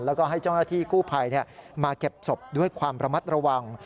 แล้วก็ให้เจ้าหน้าที่กู้ภัยมาเก็บศพด้วยความระมัดระวัง